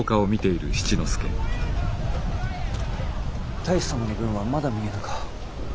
太守様の軍はまだ見えぬか？